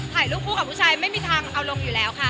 ถ่ายรูปคู่กับผู้ชายไม่มีทางเอาลงอยู่แล้วค่ะ